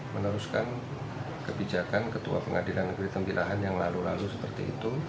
meneruskan kebijakan ketua pengadilan negeri tembilahan yang lalu lalu seperti itu